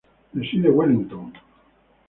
Reside en Wellington.